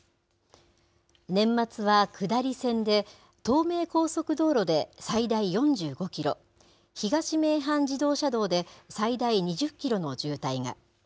年末は下り線で、東名高速道路で最大４５キロ、東名阪自動車道で最大２０キロの渋滞が。